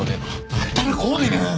あったら怖いねん！